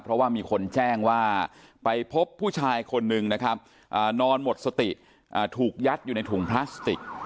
เพราะว่ามีคนแจ้งว่าไปพบผู้ชายคนนึงนะครับนอนหมดสติถูกยัดอยู่ในถุงพลาสติก